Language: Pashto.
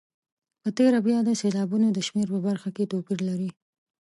په تېره بیا د سېلابونو د شمېر په برخه کې توپیر لري.